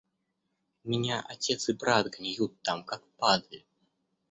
У меня отец и брат гниют там, как падаль.